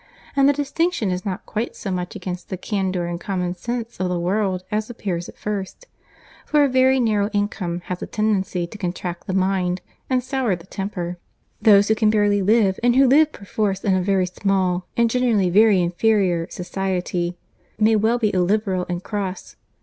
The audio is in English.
And the distinction is not quite so much against the candour and common sense of the world as appears at first; for a very narrow income has a tendency to contract the mind, and sour the temper. Those who can barely live, and who live perforce in a very small, and generally very inferior, society, may well be illiberal and cross.